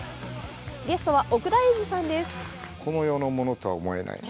ゲストは奥田瑛二さんです。